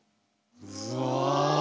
うわ！